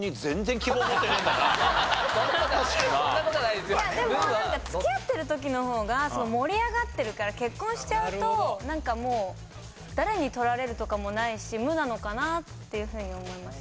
いやでもなんか付き合ってる時の方が盛り上がってるから結婚しちゃうとなんかもう誰に取られるとかもないし「無」なのかなっていうふうに思いました。